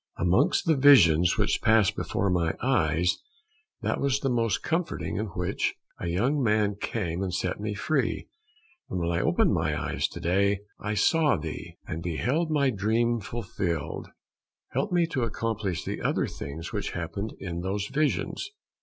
Amongst the visions which passed before my eyes, that was the most comforting in which a young man came and set me free, and when I opened my eyes to day I saw thee, and beheld my dream fulfilled. Help me to accomplish the other things which happened in those visions.